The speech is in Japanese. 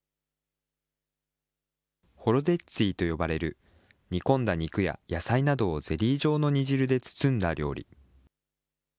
ホロデッツィと呼ばれる、煮込んだ肉や野菜などをゼリー状の煮汁で包んだ料理。